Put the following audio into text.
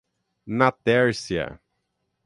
Natércia